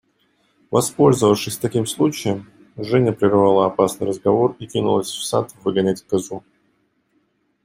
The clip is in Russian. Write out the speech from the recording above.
Воспользовавшись таким случаем, Женя прервала опасный разговор и кинулась в сад выгонять козу.